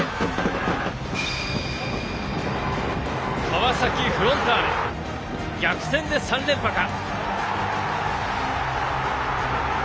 川崎フロンターレ逆転で３連覇か。